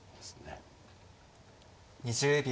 ２０秒。